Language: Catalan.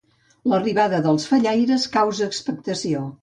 L'arribada dels fallaires causa expectació.